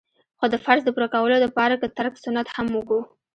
خو د فرض د پوره کولو د پاره که ترک سنت هم وکو.